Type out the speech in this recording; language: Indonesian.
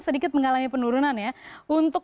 sedikit mengalami penurunan ya untuk